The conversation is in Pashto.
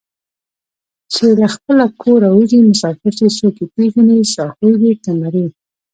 چې له خپله کوره اوځي مسافر شي څوک یې پېژني ساهو دی که مریی